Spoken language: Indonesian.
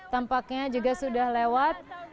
tampaknya juga sudah lewat